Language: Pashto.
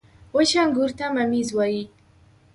• وچ انګور ته مميز وايي.